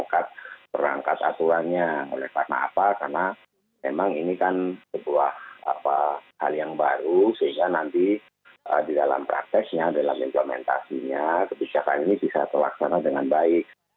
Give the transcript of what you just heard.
aturannya oleh karena apa karena memang ini kan sebuah hal yang baru sehingga nanti di dalam prakteknya dalam implementasinya kebijakan ini bisa terlaksana dengan baik